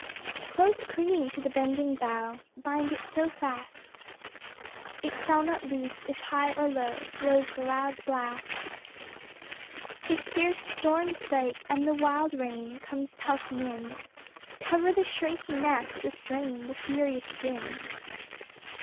Close clinging to the bending bough, Bind it so fast It shall not loose if high or low Blows the loud blast. THE BLIND BIRD'S NEST 445 If fierce storms break, and the wild rain Comes pelting in, Cover the shrinking nest, restrain The furious din.